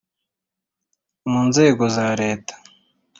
mu nzego za leta